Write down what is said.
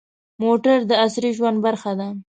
موټر د عصري ژوند برخه ده.